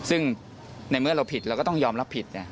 ซึ่งในเมื่อเราผิดเราก็ต้องยอมรับผิด